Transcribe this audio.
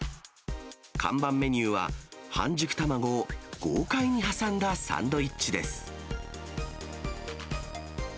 看板メニューは、半熟卵を豪快に挟んだサンドイッチです。